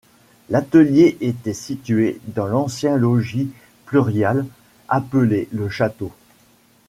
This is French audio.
L'atelier était situé dans l'ancien logis prieural appelé le château.